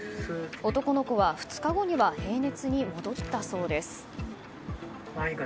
男の子は２日後には平熱に戻ったそうです。